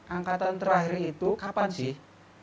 angkatan terakhir itu kapan sih